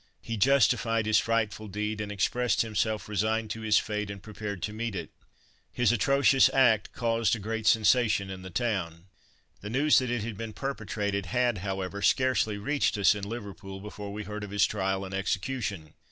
He justified his frightful deed, and expressed himself resigned to his fate and prepared to meet it. His atrocious act caused a great sensation in the town. The news that it had been perpetrated, had, however, scarcely reached us in Liverpool before we heard of his trial and execution.